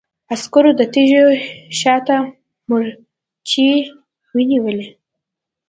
عسکرو د تيږو شا ته مورچې ونيولې.